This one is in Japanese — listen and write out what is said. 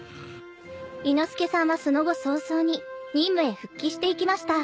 ［伊之助さんはその後早々に任務へ復帰していきました］